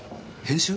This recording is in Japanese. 編集？